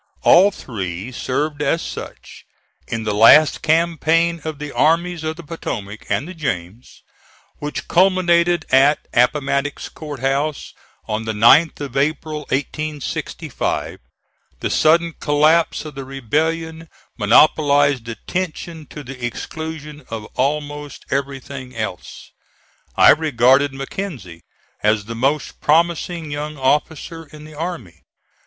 All three served as such, in the last campaign of the armies of the Potomac and the James, which culminated at Appomattox Court House, on the 9th of April, 1865. The sudden collapse of the rebellion monopolized attention to the exclusion of almost everything else. I regarded Mackenzie as the most promising young officer in the army.